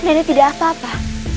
nenek tidak apa apa